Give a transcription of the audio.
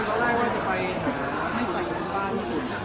ข้าให้ไปวันหมดดีกว่าหรือไม่ได้